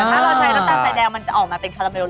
ถ้าเราใช้น้ำตาลไซแดงมันจะออกมาเป็นคาราเบล